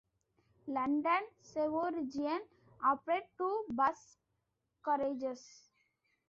London Sovereign operate two bus garages.